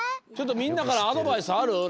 ちょっとみんなからアドバイスある？